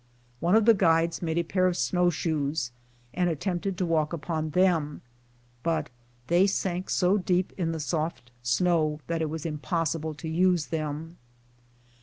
One of the guides made a pair of snow shoes, and attempted to walk upon them, but they sank so deep in the soft snow that it was impossible to use them.